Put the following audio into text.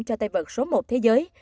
cho tay vợt số một thế giới